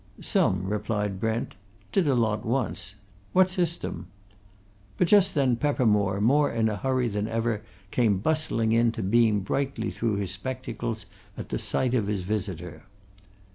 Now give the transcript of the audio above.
"Some," replied Brent. "Did a lot once. What system?" But just then Peppermore, more in a hurry than ever, came bustling in, to beam brightly through his spectacles at sight of his visitor.